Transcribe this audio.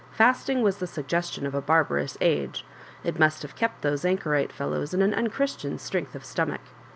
Fasting was the suggestion of a barbarous age ; it must have kept those anchorite fellows in an unchris lian strength of stomach.